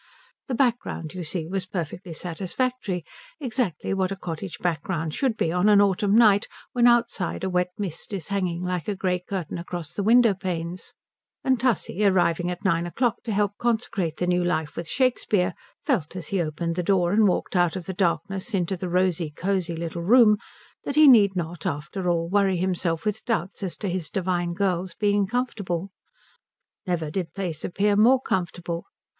The background, you see, was perfectly satisfactory; exactly what a cottage background should be on an autumn night when outside a wet mist is hanging like a grey curtain across the window panes; and Tussie arriving at nine o'clock to help consecrate the new life with Shakespeare felt, as he opened the door and walked out of the darkness into the rosy, cosy little room, that he need not after all worry himself with doubts as to the divine girl's being comfortable. Never did place appear more comfortable.